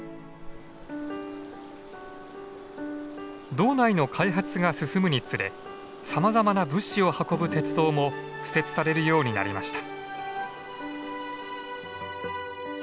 道内の開発が進むにつれさまざまな物資を運ぶ鉄道も敷設されるようになりました。